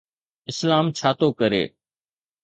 اسلام ڇا ٿو ڪري؟